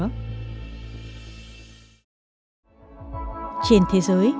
trên thế giới các quốc gia phát triển luôn khuyến khích phát thải